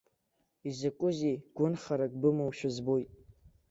Изакәызеи, гәынхарак бымоушәа збоит.